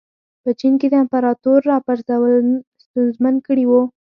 په چین کې د امپراتور راپرځول ستونزمن کړي وو.